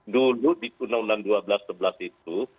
dulu di undang undang dua belas sebelas itu